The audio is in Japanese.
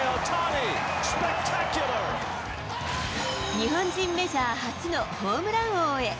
日本人メジャー初のホームラン王へ。